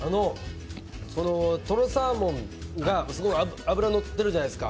とろサーモンがすごく脂がのってるじゃないですか。